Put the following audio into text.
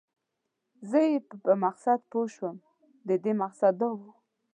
زه یې په مقصد پوه شوم، د دې مقصد دا و.